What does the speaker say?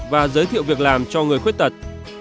và giới thiệu việc làm cho người khuyết tật